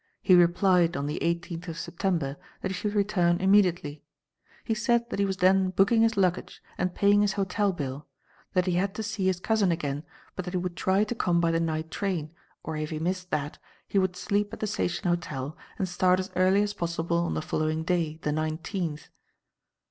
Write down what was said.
He replied, on the eighteenth of September, that he should return immediately. He said that he was then booking his luggage and paying his hotel bill; that he had to see his cousin again, but that he would try to come by the night train, or if he missed that, he would sleep at the station hotel and start as early as possible on the following day, the nineteenth.